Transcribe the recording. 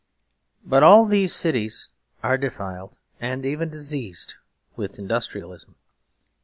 But all these cities are defiled and even diseased with industrialism.